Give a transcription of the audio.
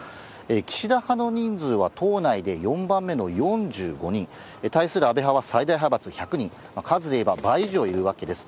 岸田派の人数は党内で４番目の４５人、対する安倍派は最大派閥１００人、数でいえば倍以上いるわけです。